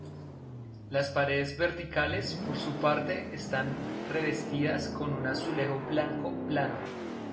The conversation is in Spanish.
Las paredes verticales, por su parte, están revestidas con un azulejo blanco plano.